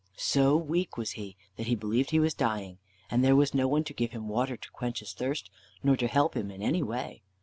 So weak was he, that he believed he was dying, and there was no one to give him water to quench his thirst, nor to help him in any way.